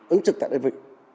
ứng trực tại đơn vị